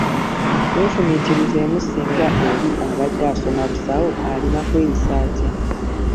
Weefumiitirizeemu singa oli abadde asoma busawo, alina kweyisa atya?